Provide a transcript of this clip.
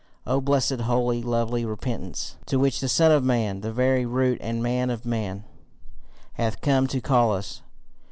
O blessed, holy, lovely repentance to which the Son of Man, the very root and man of men, hath come to call us!